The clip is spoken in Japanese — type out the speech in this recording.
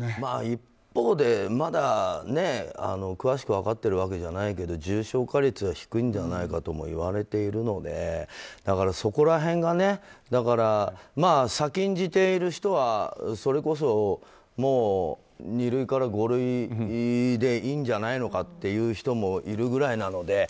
一方で、まだ詳しく分かってるわけじゃないけど重症化率は低いんじゃないかともいわれているのでそこら辺が、先んじている人はそれこそ二類から五類でいいんじゃないのかっていう人もいるくらいなので。